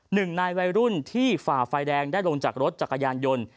หนึ่งในวัยรุ่นที่ฝ่าไฟแดงได้ลงจากรถจักรยานยนต์